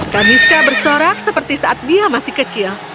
kaniska bersorak seperti saat dia masih kecil